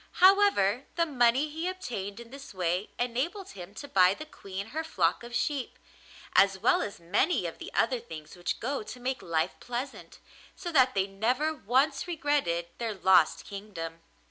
However, the money he obtained in this way enabled him to buy the Queen her flock of sheep, as well as many of the other things which go to make life pleasant, so that they never once regretted their lost kingdom.